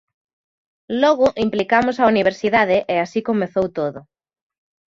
Logo implicamos á Universidade e así comezou todo.